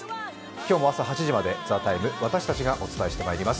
今日も朝８時まで「ＴＨＥＴＩＭＥ，」、私たちがお伝えしてまいります。